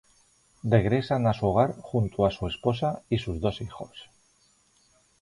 Regresan a su hogar junto a su esposa y sus dos hijos.